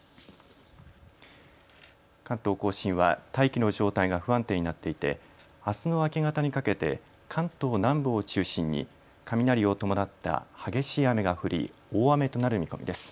関東甲信は大気の状態が不安定になっていて、あすの明け方にかけて関東南部を中心に雷を伴った激しい雨が降り大雨となる見込みです。